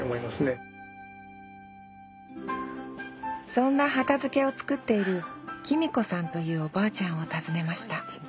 そんな畑漬をつくっているキミ子さんというおばあちゃんを訪ねました